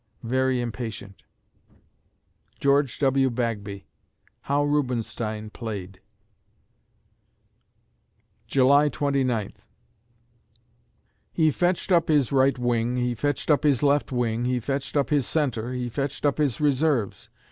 very impatient.... GEORGE W. BAGBY (How Rubenstein Played) July Twenty Ninth ... He fetcht up his right wing, he fetcht up his left wing, he fetcht up his centre, he fetcht up his reserves.